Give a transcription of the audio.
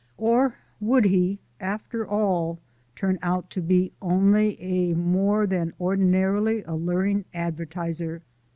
Or, would he, after all, turn out to be only a more than ordinarily alluring advertiser?